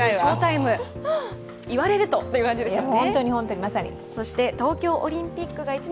言われるとという感じですよね。